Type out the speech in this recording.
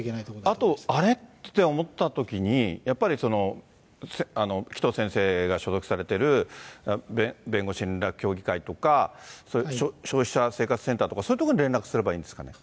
あと、あれ？って思ったときに、やっぱり紀藤先生が所属されている弁護士連絡協議会とか、消費者生活センターとか、そういうところに連絡すればいいんですかね。